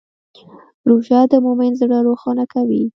روژه د مؤمن زړه روښانه کوي.